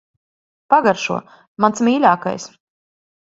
Pagaršo. Mans mīļākais.